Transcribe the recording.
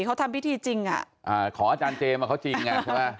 เขาทำพิธีจริงอ่ะขออาจารย์เจมส์มาเขาจริงอ่ะใช่ป่ะ